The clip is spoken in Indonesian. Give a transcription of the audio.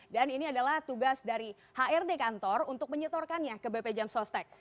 dan ini adalah tugas dari hrd kantor untuk menyetorkannya ke bp jam sostek